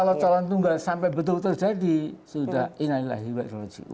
kalau calon tunggal sampai betul betul jadi sudah inilah hibatologi